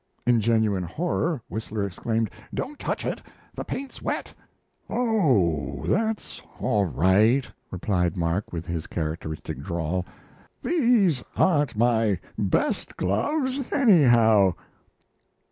In genuine horror, Whistler exclaimed: "Don't touch it, the paint's wet!" "Oh, that's all right," replied Mark with his characteristic drawl: "these aren't my best gloves, anyhow!"